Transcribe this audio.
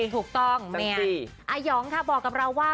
ถูกต้องอายหยองบอกกับเราว่า